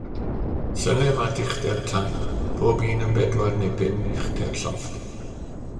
Synnem at uchder y tai, pob un yn bedwar neu bum uchder llofft.